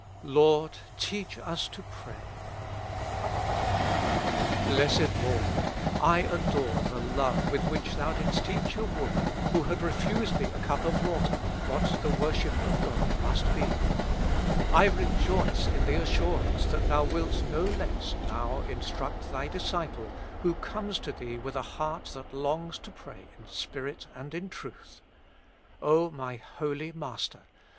'' Lord teach us to pray." Blessed Lord ! I adore the love with which Thou didst teach a woman, who had refused Thee a cup of water, what the worship of God must be. I rejoice in the assurance that Thou wilt no less now instruct Thy disciple, who comes to Thee with a heart that With Christ in the School of Prayer. longs to pray in spirit and in truth. O my Holy Master